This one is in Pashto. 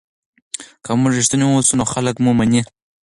که موږ رښتیني اوسو نو خلک مو مني.